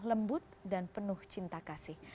lembut dan penuh cinta kasih